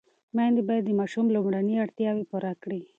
مېندې باید د ماشوم لومړني اړتیاوې پوره کړي.